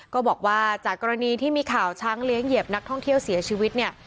ก็บอกว่าจากกรณีที่มีข่าวช้างเลี้ยงเหยียบนักท่องเที่ยวเสียชีวิตเนี่ย